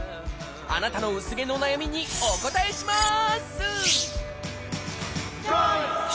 あなたの薄毛の悩みにお答えします！